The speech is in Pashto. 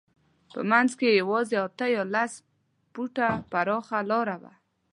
په منځ کې یې یوازې اته یا لس فوټه پراخه لاره وه.